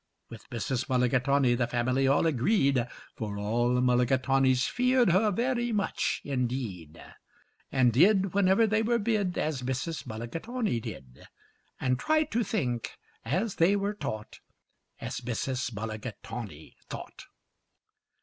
With Mrs. Mulligatawny the family all agreed, For all the Mulligatawnys feared her very much indeed, And did, whenever they were bid, As Mrs. Mulligatawny did, And tried to think, as they were taught, As Mrs. Mulligatawny thought.